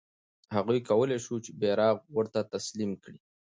هغه کولای سوای چې بیرغ ورته تسلیم کړي.